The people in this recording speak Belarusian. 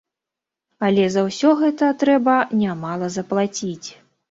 Але за ўсё гэта трэба нямала заплаціць.